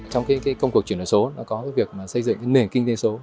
trong công cuộc chuyển đổi số đã có việc xây dựng nền kinh tế số